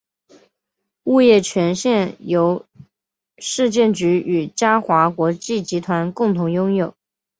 物业权现由市建局与嘉华国际集团共同拥有。